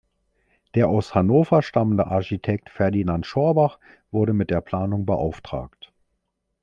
Der aus Hannover stammende Architekt Ferdinand Schorbach wurde mit der Planung beauftragt.